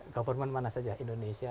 government mana saja indonesia